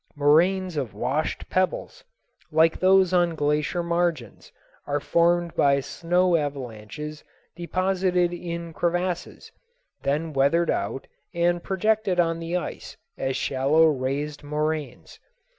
Moraines of washed pebbles, like those on glacier margins, are formed by snow avalanches deposited in crevasses, then weathered out and projected on the ice as shallow raised moraines.